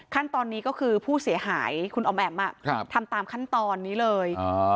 ขั้นตอนนี้ก็คือผู้เสียหายคุณอ๋อมแอ๋มทำตามขั้นตอนนี้เลย